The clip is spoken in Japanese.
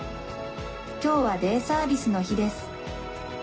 「今日はデイサービスの日です」。